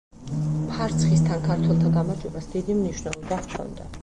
ფარცხისთან ქართველთა გამარჯვებას დიდი მნიშვნელობა ჰქონდა.